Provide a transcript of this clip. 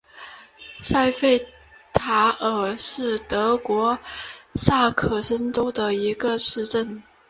塞费塔尔是德国下萨克森州的一个市镇。